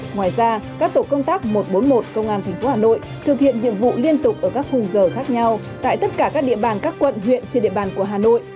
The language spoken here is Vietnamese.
ngoài ra các tổ công tác một trăm bốn mươi một công an tp hà nội thực hiện nhiệm vụ liên tục ở các khung giờ khác nhau tại tất cả các địa bàn các quận huyện trên địa bàn của hà nội